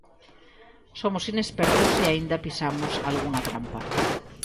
Somos inexpertos e aínda pisamos algunha trampa.